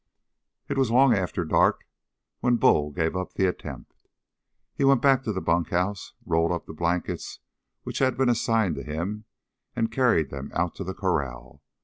It was long after dark when Bull gave up the attempt. He went back to the bunkhouse, rolled up the blankets which had been assigned to him, and carried them out to the corral.